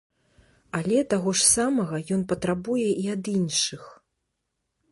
Але таго ж самага ён патрабуе і ад іншых.